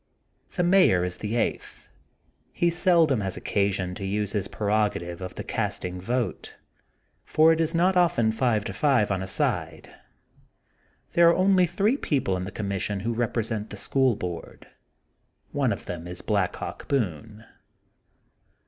Thie Mayor is the eighth. He seldom has occasion to use his prerogative of the casting vote, for it is not often five to five on a side. There are only three people in the commission who represent the School Board, one of them is Black Hawk Boone.